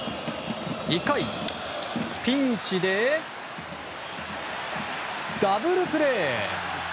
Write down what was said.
１回、ピンチでダブルプレー！